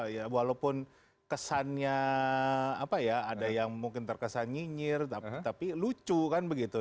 ya walaupun kesannya apa ya ada yang mungkin terkesan nyinyir tapi lucu kan begitu